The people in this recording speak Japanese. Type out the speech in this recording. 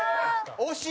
惜しい！